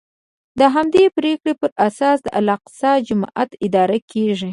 د همدغې پرېکړې په اساس د الاقصی جومات اداره کېږي.